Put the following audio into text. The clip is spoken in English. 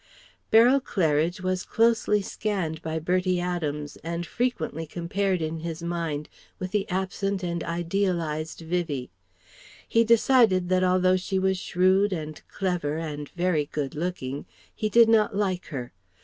Beryl Claridge was closely scanned by Bertie Adams, and frequently compared in his mind with the absent and idealized Vivie. He decided that although she was shrewd and clever and very good looking, he did not like her.